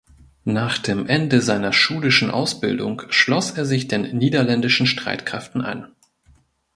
Nach dem Ende seiner schulischen Ausbildung schloss er sich den niederländischen Streitkräften an.